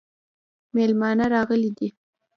مېلمانه راغلي دي